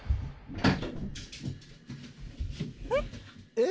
えっ？